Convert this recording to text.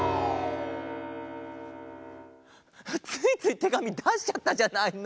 ついついてがみだしちゃったじゃないの。